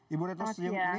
ibu retno selamat siang